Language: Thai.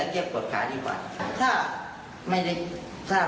เฉพาะตอนเช้า